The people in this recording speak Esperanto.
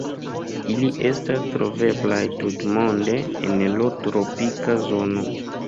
Ili estas troveblaj tutmonde en lo tropika zono.